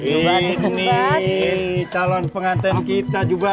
ini calon pengantin kita juga